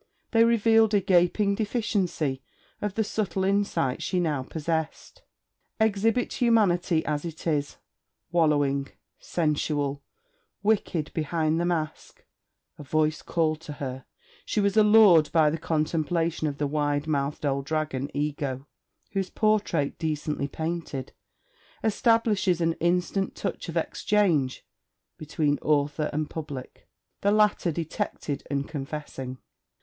They revealed a gaping deficiency of the subtle insight she now possessed. 'Exhibit humanity as it is, wallowing, sensual, wicked, behind the mask,' a voice called to her; she was allured by the contemplation of the wide mouthed old dragon Ego, whose portrait, decently painted, establishes an instant touch of exchange between author and public, the latter detected and confessing.